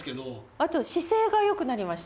あと姿勢が良くなりました。